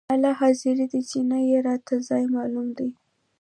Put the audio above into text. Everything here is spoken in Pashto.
الله حاضر دى چې نه يې راته ځاى معلوم دى.